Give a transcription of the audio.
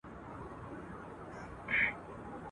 چي تازه هوا مي هره ورځ لرله.